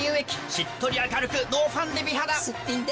しっとり明るくノーファンデ美肌すっぴんで。